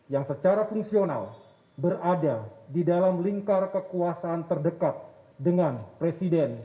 yang secara fungsional berada di dalam lingkar kekuasaan terdekat dengan presiden